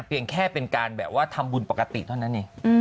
เพียงแค่เป็นการแบบว่าทำบุญปกติเท่านั้นเอง